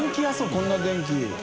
こんな電気。